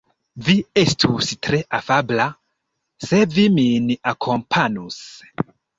Vi estus tre afabla, se vi min akompanus.